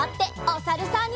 おさるさん。